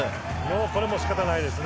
これは仕方ないですね。